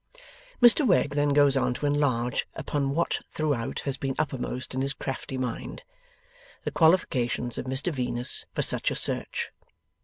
Mr Wegg then goes on to enlarge upon what throughout has been uppermost in his crafty mind: the qualifications of Mr Venus for such a search.